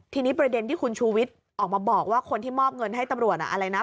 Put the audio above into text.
ทีนี้ประเด็นที่คุณชูวิทย์ออกมาบอกว่าคนที่มอบเงินให้ตำรวจอะไรนะ